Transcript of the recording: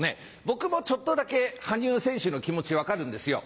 僕もちょっとだけ羽生選手の気持ち分かるんですよ。